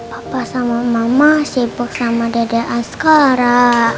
papa sama mama sibuk sama dada askara